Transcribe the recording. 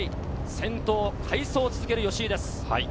先頭快走を続ける吉居です。